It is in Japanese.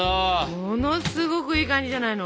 ものすごくいい感じじゃないの？